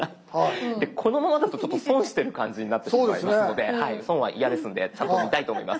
このままだとちょっと損してる感じになってしまいますので損は嫌ですのでちゃんと見たいと思います。